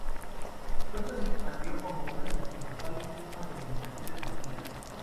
Pronto se expandió como una de las principales firmas de alimentación de Turquía.